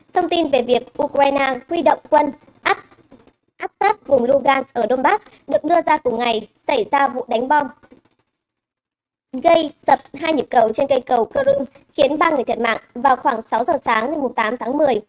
thông tin về việc ukraine huy động quân áp sát vùng logan ở đông bắc được đưa ra cùng ngày xảy ra vụ đánh bom gây sập hai nhịp cầu trên cây cầu kurum khiến ba người thiệt mạng vào khoảng sáu giờ sáng ngày tám tháng một mươi